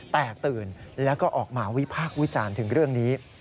แตกตื่นแล้วก็ออกมาวิพากษ์วิจารณ์ถึงเรื่องนี้